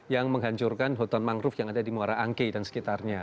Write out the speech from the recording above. yang menghancurkan hoton mangruf yang ada di muara angkei dan sekitarnya